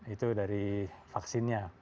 itu dari vaksinnya